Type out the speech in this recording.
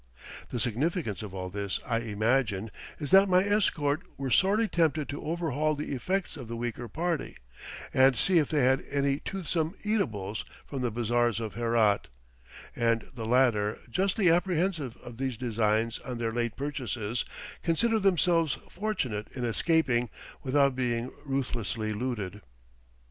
The significance of all this, I imagine, is that my escort were sorely tempted to overhaul the effects of the weaker party, and see if they had any toothsome eatables from the bazaars of Herat; and the latter, justly apprehensive of these designs on their late purchases, consider themselves fortunate in escaping without being ruthlessly looted.